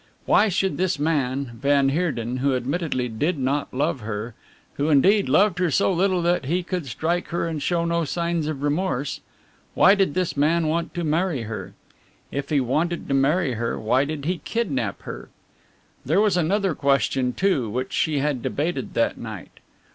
Why should this man, van Heerden, who admittedly did not love her, who indeed loved her so little that he could strike her and show no signs of remorse why did this man want to marry her? If he wanted to marry her, why did he kidnap her? There was another question, too, which she had debated that night.